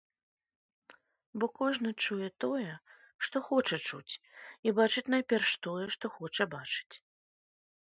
Бо кожны чуе тое, што хоча чуць, і бачыць найперш тое, што хоча бачыць.